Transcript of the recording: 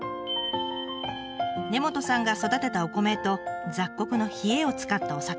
根本さんが育てたお米と雑穀のひえを使ったお酒。